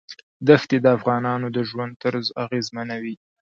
دښتې د افغانانو د ژوند طرز اغېزمنوي.